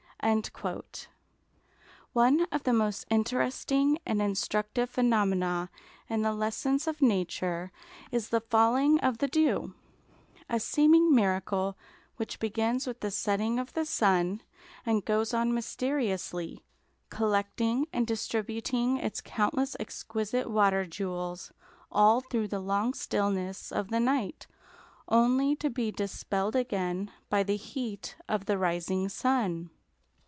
One of the most interesting and instructive phenomena in the lessons of nature is the falling of the dew—a seeming miracle which begins with the setting of the sun, and goes on mysteriously, collecting and distributing its countless exquisite water jewels, all through the long stillness of the night, only to be dispelled again by the heat of the rising sun.